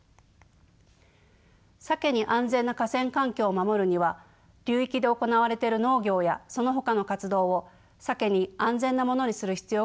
サケに安全な河川環境を守るには流域で行われている農業やそのほかの活動をサケに安全なものにする必要があるからです。